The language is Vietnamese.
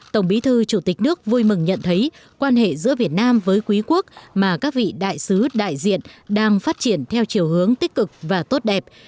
tổng bí thư chủ tịch nước vui mừng nhận thấy quan hệ giữa việt nam với quý quốc mà các vị đại sứ đại diện đang phát triển theo chiều hướng tích cực và tốt đẹp